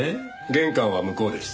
玄関は向こうです。